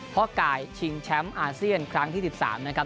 พ่อกายชิงแชมป์อาเซียนครั้งที่๑๓นะครับ